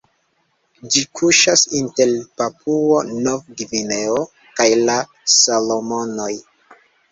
Ĝi kuŝas inter Papuo-Nov-Gvineo kaj la Salomonoj.